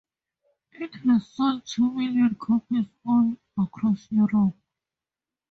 It has sold two million copies all across Europe.